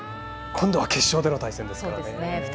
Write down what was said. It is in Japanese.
今度は決勝での対戦ですからね。